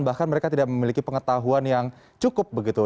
bahkan mereka tidak memiliki pengetahuan yang cukup begitu